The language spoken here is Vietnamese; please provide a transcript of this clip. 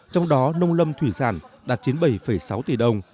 trong đó nông lâm thủy sản đạt chín mươi bảy sáu tỷ đồng